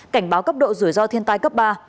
cảnh báo cấp độ rủi ro thiên tai cấp ba